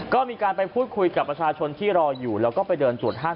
ก็มีการไปพูดคุยกับประชาชนที่รออยู่แล้วก็ไปเดินตรวจห้าง